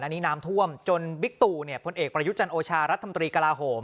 อันนี้น้ำท่วมจนบิ๊กตู่พลเอกประยุจันโอชารัฐมนตรีกระลาโหม